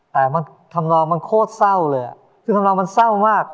แต่มันทำนองมันโคตรเศร้าเลยอ่ะคือทำนองมันเศร้ามาก